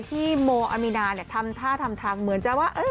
ที่โมอามีนาทำท่าทำทางเหมือนจะว่า